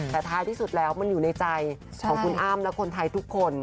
แต่ท้ายที่สุดแล้วมันอยู่ในใจของคุณอ้ำและคนไทยทุกคน